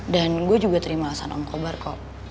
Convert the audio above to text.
dan gue juga terima alasan om kobar kok